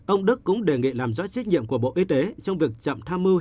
ông đức cũng đề nghị làm rõ trách nhiệm của bộ y tế trong việc chậm tham mưu